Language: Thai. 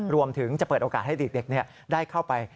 รวมถึงจะเปิดโอกาสให้เด็กได้เข้าไป